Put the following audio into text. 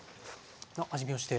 味見をして。